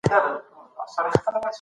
ازاده فضا تر سانسور سوي فضا ارامه وي.